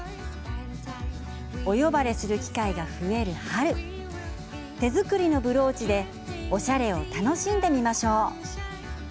お呼ばれする機会が増える春手作りのブローチでおしゃれを楽しんでみましょう。